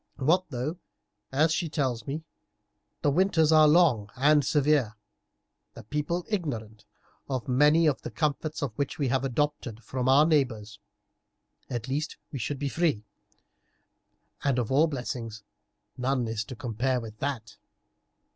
What though, as she tells me, the winters are long and severe, the people ignorant of many of the comforts which we have adopted from our neighbours; at least we should be free, and of all blessings none is to compare with that."